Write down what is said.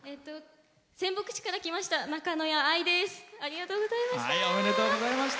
仙北市から来ましたなかのやです。